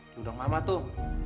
di undang mama tuh